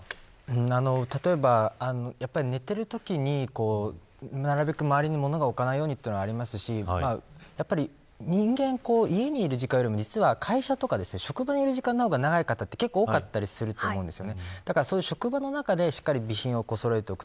例えば寝ている時になるべく周りに物を置かないようにというのもありますし人間、家にいる時間よりも職場にいる時間の方が長い方、多いと思うんです。